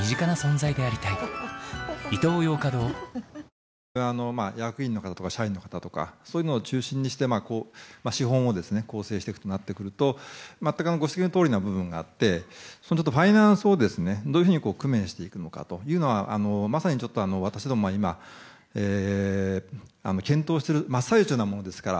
睡眠サポート「グリナ」役員の方とか社員の方を中心にして資本を構成していくとなってくると全くご指摘のとおりの部分があってファイナンスをどういうふうに工面していくのかまさに私どもも、今検討している真っ最中なものですから。